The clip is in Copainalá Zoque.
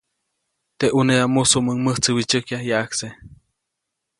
Teʼ ʼunedaʼm mujsuʼmuŋ mäjtsyäwyätsäjkya yaʼajkse.